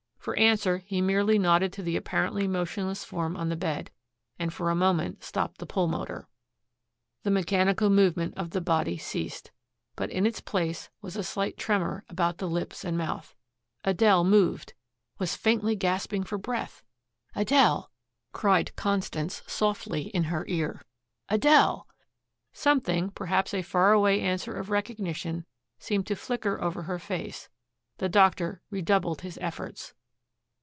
For answer he merely nodded to the apparently motionless form on the bed, and for a moment stopped the pulmotor. The mechanical movement of the body ceased. But in its place was a slight tremor about the lips and mouth. Adele moved was faintly gasping for breath! "Adele!" cried Constance softly in her ear. "Adele!" Something, perhaps a far away answer of recognition, seemed to flicker over her face. The doctor redoubled his efforts.